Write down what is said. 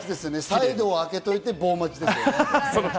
サイドを空けておいて、棒待ちです。